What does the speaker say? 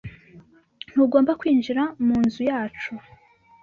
Ntugomba kwinjira munzuyacu